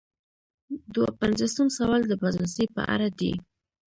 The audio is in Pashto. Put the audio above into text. دوه پنځوسم سوال د بازرسۍ په اړه دی.